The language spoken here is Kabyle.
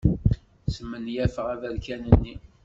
Smenyafeɣ aberkan-nni.